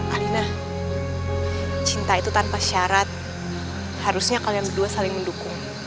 alina cinta itu tanpa syarat harusnya kalian berdua saling mendukung